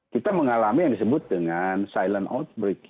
kita mengalami yang disebut dengan silent outbreak